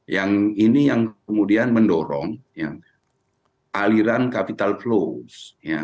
yang ini yang kemudian mendorong aliran capital flows